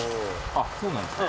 あっそうなんですね。